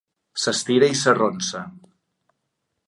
S'estira i s'arronsa.